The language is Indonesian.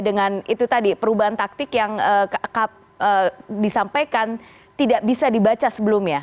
dengan itu tadi perubahan taktik yang disampaikan tidak bisa dibaca sebelumnya